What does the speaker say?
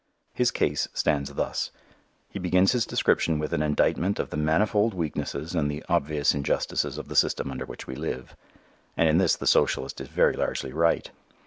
His case stands thus. He begins his discussion with an indictment of the manifold weaknesses and the obvious injustices of the system under which we live. And in this the socialist is very largely right.